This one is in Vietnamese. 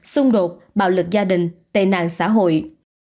xung đột bạo lực gia đình tệ nạn xã hội